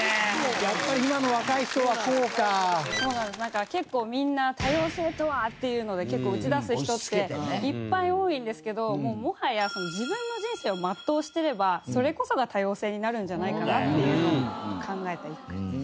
なんか結構みんな「多様性とは！」っていうので打ち出す人っていっぱい多いんですけどもはや自分の人生を全うしてればそれこそが多様性になるんじゃないかなっていうのを考えた一句です。